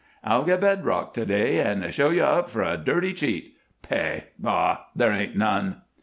I'll get bed rock to day and show you up for a dirty cheat. Pay! Bah! there ain't none!"